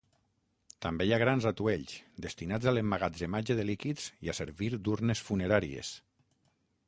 També hi ha grans atuells, destinats a l'emmagatzematge de líquids i a servir d'urnes funeràries.